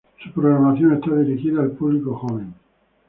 Su programación está dirigida al público joven.